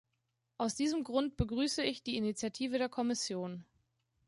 Aus diesem Grund begrüße ich die Initiative der Kommission.